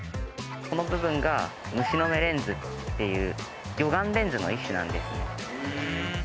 この部分が「虫の眼レンズ」っていう魚眼レンズの一種なんですね。